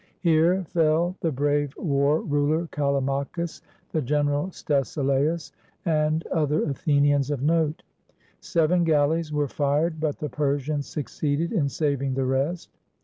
Here fell the brave war ruler Callimachus, the general Stesilaus, and other Athenians of note. Seven galleys were fired; but the Persians succeeded in saving the rest.